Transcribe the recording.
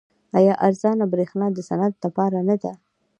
آیا ارزانه بریښنا د صنعت لپاره ښه نه ده؟